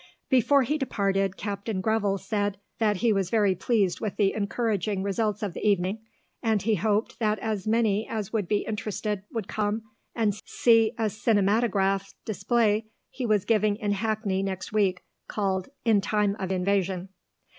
Before he departed, Captain Greville said that he was very pleased with the encouraging results of the evening, and he hoped that as many as would be interested would come and see a cinematograph display he was giving in Hackney next week, called "In Time of Invasion."